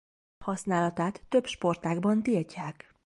Használatát több sportágban tiltják.